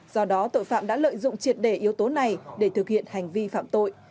do đó tội phạm đã lợi dụng triệt đề yếu tố này để thực hiện hành vi phạm tội